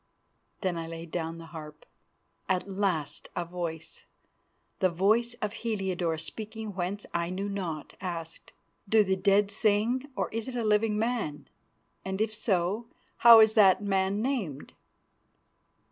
Then I laid down the harp. At last a voice, the voice of Heliodore speaking whence I knew not, asked, "Do the dead sing, or is it a living man? And if so, how is that man named?"